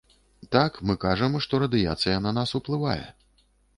Так, мы кажам, што радыяцыя на нас уплывае.